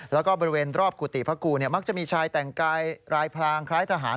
แล้วก็บริเวณรอบกุฏิพระครูมักจะมีชายแต่งกายรายพลางคล้ายทหาร